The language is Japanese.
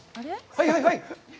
はい、はい、はい！